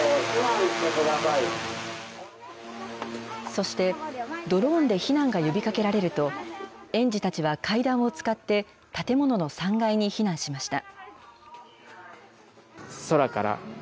そして、ドローンで避難が呼びかけられると、園児たちは階段を使って、建物の３階に避難しました。